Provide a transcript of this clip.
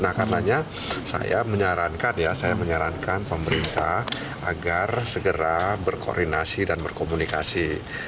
nah karenanya saya menyarankan pemerintah agar segera berkoordinasi dan berkomunikasi